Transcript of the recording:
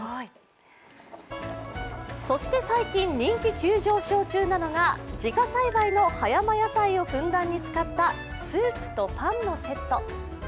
そして最近、人気急上昇中なのが自家栽培の葉山野菜をふんだんに使ったスープとパンのセット。